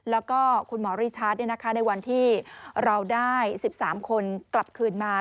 แล้วก็คุณหมอริชัดในวันที่เราได้๑๓คนกลับคืนมา